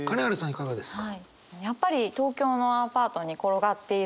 いかがですか？